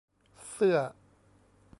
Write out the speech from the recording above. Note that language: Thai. เสื้อ